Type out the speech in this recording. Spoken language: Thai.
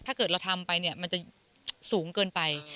ถ้าเราทำไปมันจะสูงเกินไป